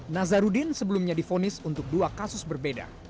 nazarudin sebelumnya difonis untuk dua kasus berbeda